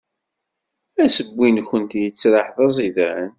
Assewwi-nwent yettraḥ d aẓidan.